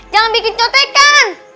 jangan bikin centekan